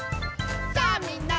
「さあみんな！